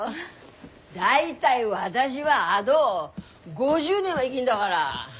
大体私はあど５０年は生ぎんだがら。